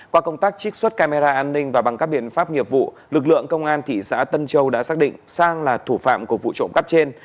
qua công tác trích xuất camera an ninh và bằng các biện pháp nghiệp vụ lực lượng công an thị xã tân châu đã xác định sang là thủ phạm của vụ trộm cắp trên